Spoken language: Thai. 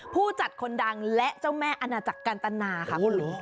ผู้จัดคนดังและเจ้าแม่อาณาจักรกันตนาค่ะคุณ